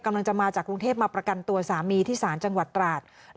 กำลังจะมาจากกรุงเทพมาประกันตัวสามีที่ศาลจังหวัดตราด